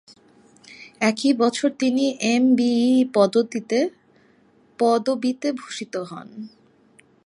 একই বছর তিনি এমবিই পদবীতে ভূষিত হন।